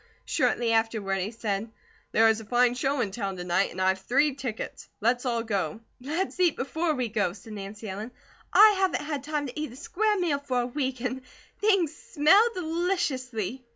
Shortly afterward he said: "There is a fine show in town to night, and I have three tickets. Let's all go." "Let's eat before we go," said Nancy Ellen, "I haven't had time to eat a square meal for a week and things smell deliciously."